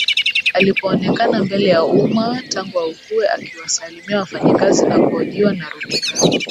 alipoonekana mbele ya umma tangu augue akiwasalimia wafanyakazi na kuhojiwa na runinga